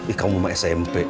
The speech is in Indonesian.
ih kamu mah smp